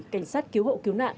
cảnh sát cứu hộ cứu nạn